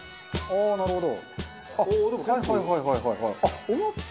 ああなるほど。